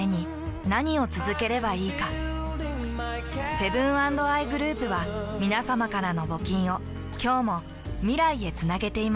セブン＆アイグループはみなさまからの募金を今日も未来へつなげています。